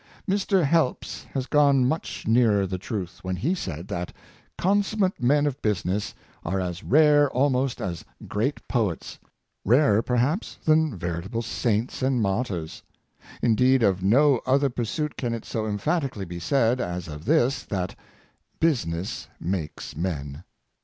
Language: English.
Mr. Helps has gone much nearer the truth when he said that consummate men of business are as rare almost as great poets — rarer, perhaps, than veritable saints and martyrs. Indeed, of no other pursuit can it so emphatically be said, as of this, that '^ Business makes men."